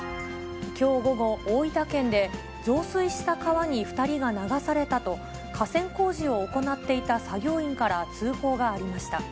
きょう午後、大分県で、増水した川に２人が流されたと、河川工事を行っていた作業員から通報がありました。